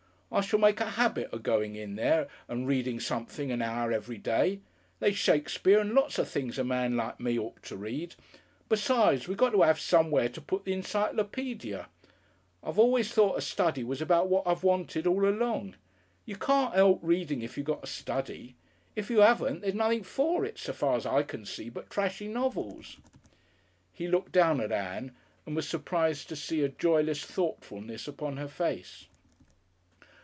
I shall make a habit of going in there and reading something an hour every day. There's Shakespeare and a lot of things a man like me ought to read. Besides, we got to 'ave somewhere to put the Encyclopædia. I've always thought a study was about what I've wanted all along. You can't 'elp reading if you got a study. If you 'aven't, there's nothing for it, so far's I can see, but treshy novels." He looked down at Ann and was surprised to see a joyless thoughtfulness upon her face.